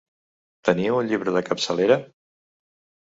Teniu un llibre de capçalera?